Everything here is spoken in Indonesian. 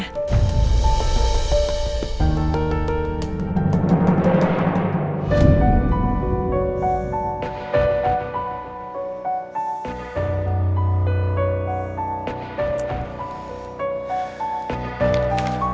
jadi gue harus baik baikin mamanya